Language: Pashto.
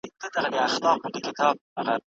د ارغنداب سیند اوبه د ځمکي حاصلخېزي زیاتوي.